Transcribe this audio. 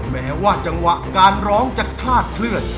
แม้ว่าจังหวะการร้องจะคลาดเคลื่อน